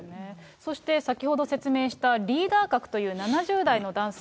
そして先ほど説明したリーダー格という７０代の男性。